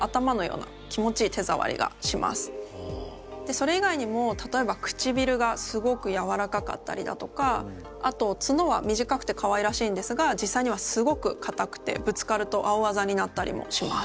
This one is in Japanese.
それ以外にも例えばくちびるがすごくやわらかかったりだとかあと角は短くてかわいらしいんですが実際にはすごく硬くてぶつかると青あざになったりもします。